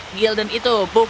gildan itu bukan penjajah